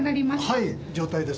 はい状態です